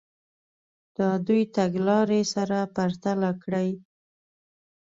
دا دوې تګ لارې سره پرتله کړئ.